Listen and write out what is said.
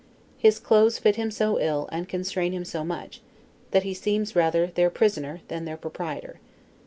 His clothes fit him so ill, and constrain him so much, that he seems rather, their prisoner than their proprietor.